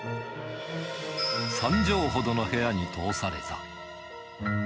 ３畳ほどの部屋に通された。